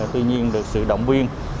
tuy nhiên được sự động viên